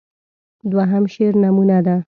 دوهم شعر نمونه ده.